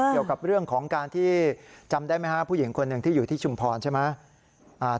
เกี่ยวกับเรื่องของการที่จำได้ไหมฮะผู้หญิงคนหนึ่งที่อยู่ที่ชุมพรใช่ไหม